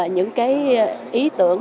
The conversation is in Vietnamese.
những cái ý tưởng